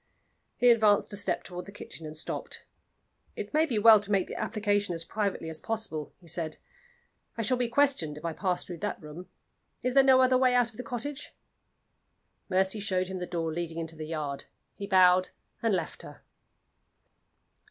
He advanced a step toward the kitchen, and stopped. "It may be well to make the application as privately as possible," he said. "I shall be questioned if I pass through that room. Is there no other way out of the cottage?" Mercy showed him the door leading into the yard. He bowed and left her.